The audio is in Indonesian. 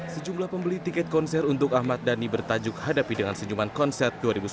sejumlah pembeli tiket konser untuk ahmad dhani bertajuk hadapi dengan senyuman konser dua ribu sembilan belas